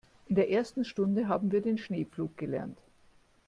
In der ersten Stunde haben wir den Schneepflug gelernt.